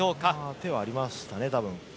手はありましたね。